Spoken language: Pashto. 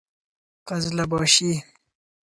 قـــزلــباشــــــــــي